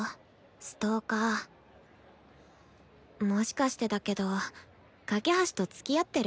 ストーカーもしかしてだけど架橋と付き合ってる？